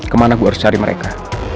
kemana bu harus cari mereka